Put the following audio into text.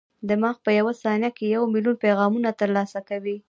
دماغ په یوه ثانیه کې یو ملیون پیغامونه ترلاسه کوي.